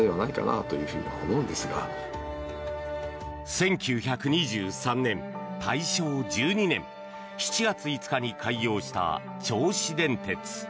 １９２３年、大正１２年７月５日に開業した銚子電鉄。